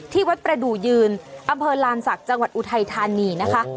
ที่วัดประดูกยืนอำเภอลานศักดิ์จังหวัดอุทัยธานีนะคะ